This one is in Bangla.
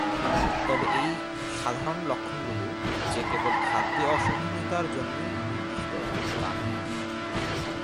তবে এই সাধারণ লক্ষণগুলো যে কেবল খাদ্যে অসহনীয়তার জন্যই নির্দিষ্ট—তা নয়।